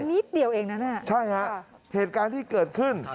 นิดเดียวเองนะเนี่ยใช่ฮะเหตุการณ์ที่เกิดขึ้น